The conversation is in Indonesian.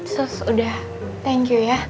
sos udah thank you ya